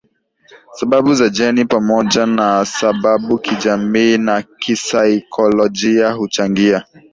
sababu za jeni pamoja na sababukijamii na kisaikolojia huchangia